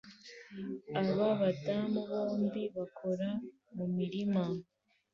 Aba badamu bombi bakora mumirima